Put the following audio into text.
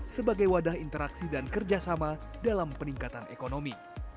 sebagai wadah interaksi dan kerjasama dalam peningkatan ekonomi